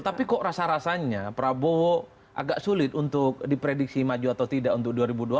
tapi kok rasa rasanya prabowo agak sulit untuk diprediksi maju atau tidak untuk dua ribu dua puluh